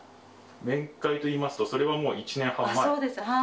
面会といいますと、それはもそうです、はい。